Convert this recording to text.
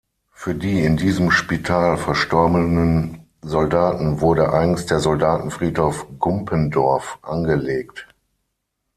Für die in diesem Spital verstorbenen Soldaten wurde eigens der Soldatenfriedhof Gumpendorf angelegt.